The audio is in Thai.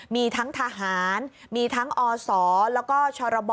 มีทั้งทหารมีทั้งอศแล้วก็ชรบ